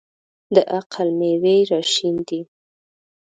د عقل مېوې راشنېدې.